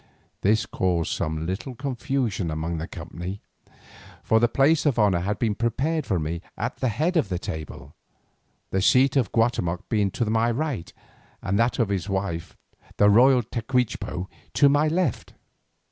This caused some little confusion among the company, for the place of honour had been prepared for me at the head of the table, the seat of Guatemoc being to my right and that of his wife, the royal Tecuichpo, to my left.